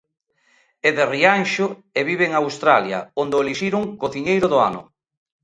É de Rianxo e vive en Australia, onde o elixiron cociñeiro do ano.